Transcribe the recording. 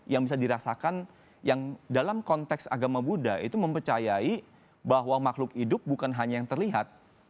yang bisa dirasakan yang dalam konteks agama buddha itu mempercayai bahwa makhluk hidup bukan hanya yang terlihat